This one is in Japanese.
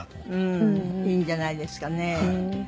うんいいんじゃないですかね。